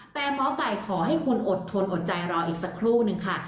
แต่หมอไก่ขอให้คุณอดทนอดใจรออีกสักครู่หนึ่งค่ะ